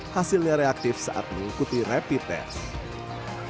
hasilnya reaktif saat mengikuti rapid test